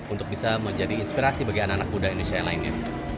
untuk bisa menjadi inspirasi bagi anak anak muda indonesia yang lainnya